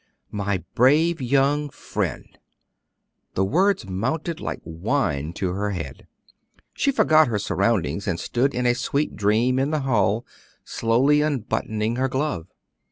"My brave young friend!" The words mounted like wine to her head. She forgot her surroundings and stood in a sweet dream in the hall, slowly unbuttoning her glove.